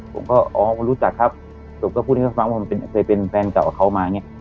ผมก็อ๋อมันรู้จักครับศพก็พูดให้เขาฟังว่าเคยเป็นแฟนเก่ากับเขามาอย่างนี้